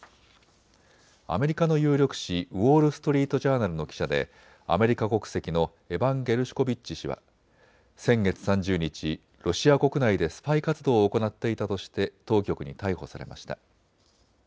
アメリカの有力紙、ウォール・ストリート・ジャーナルの記者でアメリカ国籍のエバン・ゲルシュコビッチ氏は先月３０日、ロシア国内でスパイ活動を行っていたとして当局に逮捕されました。